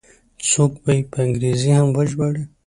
څوک به یې په انګریزي هم وژباړي.